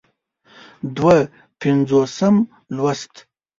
دوه پينځوسم لوست